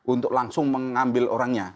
untuk langsung mengambil orangnya